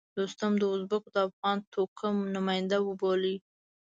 دوستم د ازبکو د افغان توکم نماینده وبولي.